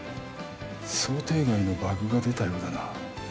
想定外のバグが出たようだな。